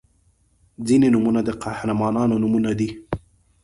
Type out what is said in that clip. • ځینې نومونه د قهرمانانو نومونه دي.